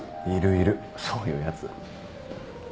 いるいるそういうやつ。